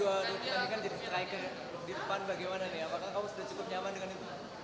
jadi dua dua ini kan jadi striker ya di depan bagaimana nih ya apakah kamu sudah cukup nyaman dengan itu